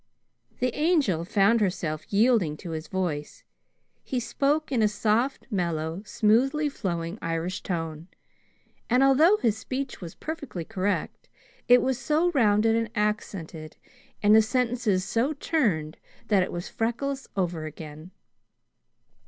The Angel found herself yielding to his voice. He spoke in a soft, mellow, smoothly flowing Irish tone, and although his speech was perfectly correct, it was so rounded, and accented, and the sentences so turned, that it was Freckles over again.